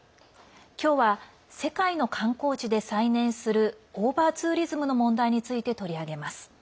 今日は世界の観光地で再燃するオーバーツーリズムの問題について取り上げます。